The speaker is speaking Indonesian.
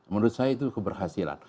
menurut saya itu keberhasilan